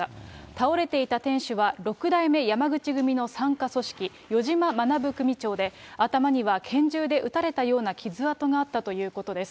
倒れていた店主は、６代目山口組の傘下組織、余嶋学組長で、頭には拳銃で撃たれたような傷痕があったということです。